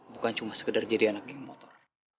bukan cuma sekedar jadi anak geng motor